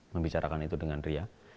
membicarakan itu dengan ria